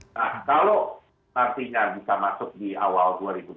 nah kalau nantinya bisa masuk di awal dua ribu dua puluh